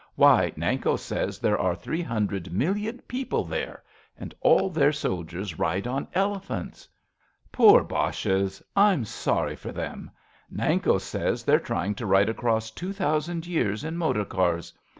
Why, Nanko says There are three hundred million people there, And all their soldiers ride on elephants. Poor Boches ! I'm sorry for them. Nanko says They're trying to ride across two thousand years In motor cars.